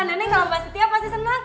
nenek kalau mbak scythia pasti seneng